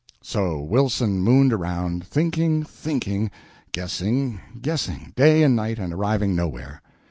So Wilson mooned around, thinking, thinking, guessing, guessing, day and night, and arriving nowhere.